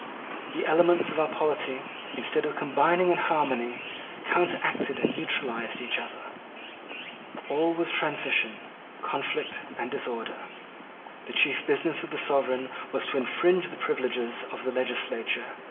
The elements of our polity, instead of combining in harmony, counteracted and neutralised each other All was transition, conflict, and disorder. The chief business of the sovereign was to infringe the privileges of the legislature.